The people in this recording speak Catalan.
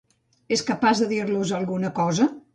És capaç de dir-los alguna cosa?